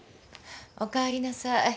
おかえりなさい。